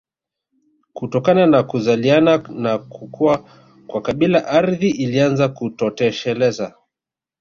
Kutokana na kuzaliana na kukua kwa kabila ardhi ilianza kutotosheleza